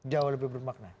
jauh lebih bermakna